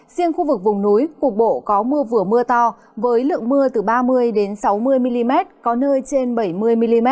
riêng khu vực vùng núi cục bộ có mưa vừa mưa to với lượng mưa từ ba mươi sáu mươi mm có nơi trên bảy mươi mm